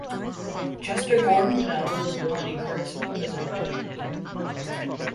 Chester Gordon Bell was born in Kirksville, Missouri.